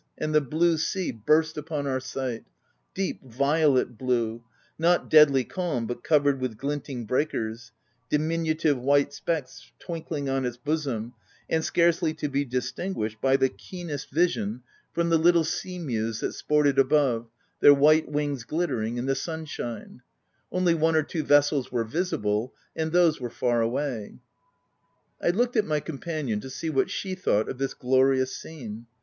»nd the blue sea burst upon our sight !— deep violet blue — not deadly calm, but covered with glinting breakers — diminutive white specks twinkling on its bosom, and scarcely to be dis tinguished by the keenest vision, from the little OF WILDFELL HALL. 127 sea mews that sported above, their white wings glittering in the sunshine : only one or two vessels were visible ; and those were far away. I looked at my companion to see what she thought of this glorious scene.